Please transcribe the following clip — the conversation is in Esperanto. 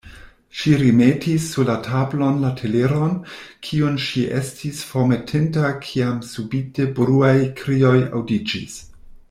Ŝi remetis sur la tablon la teleron, kiun ŝi estis formetinta, kiam subite bruaj krioj aŭdiĝis.